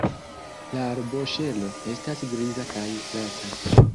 La arboŝelo estas griza kaj glata.